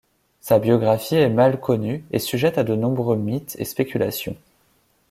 Sa biographie est mal connue et sujette à de nombreux mythes et spéculations.